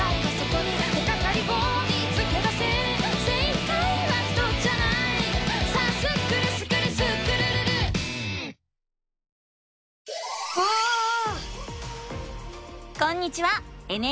こんにちは！